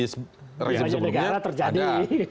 di banyak negara terjadi